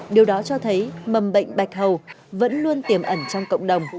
điều đó cho thấy mầm bệnh bạch hầu vẫn luôn tiềm ẩn trong cộng đồng